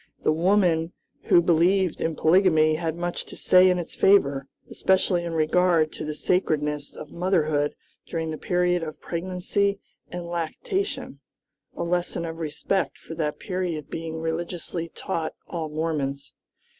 The women who believed in polygamy had much to say in its favor, especially in regard to the sacredness of motherhood during the period of pregnancy and lactation; a lesson of respect for that period being religiously taught all Mormons.